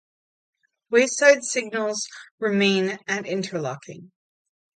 Wayside signals remain at interlockings.